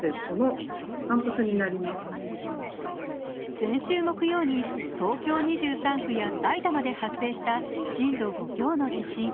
先週木曜に東京２３区や埼玉で発生した震度５強の地震。